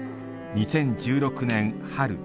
２０１６年春。